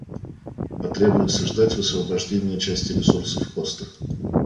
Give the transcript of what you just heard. Потребуется ждать высвобождения части ресурсов хоста